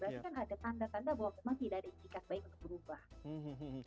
berarti kan ada tanda tanda bahwa memang tidak ada itikat baik untuk berubah